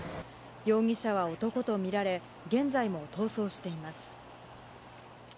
容疑者は男と見られ、現在も逃走しています。